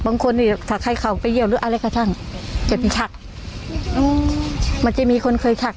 บางคนสักให้เขาไปเยี่ยมหรืออะไรกระทั่งจะไปชักอืมมันจะมีคนเคยชัก